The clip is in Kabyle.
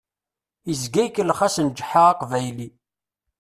Izga ikellex-asen Ǧeḥḥa Aqbayli.